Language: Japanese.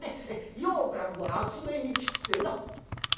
ようかんは厚めに切ってな」。